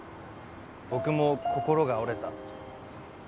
僕も心が折れた。